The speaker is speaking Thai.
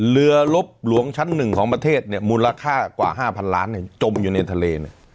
เรือรบหลวงชั้นหนึ่งของประเทศเนี่ยมูลค่ากว่า๕๐๐๐ล้านเนี่ยจมอยู่ในทะเลเนี่ย